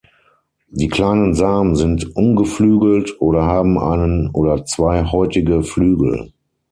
Die kleinen Samen sind ungeflügelt oder haben einen oder zwei häutige Flügel.